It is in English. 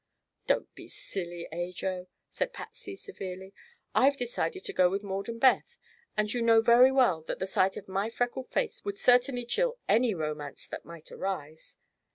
"Don't be silly, Ajo," said Patsy, severely. "I've decided to go with Maud and Beth, and you know very well that the sight of my freckled face would certainly chill any romance that might arise."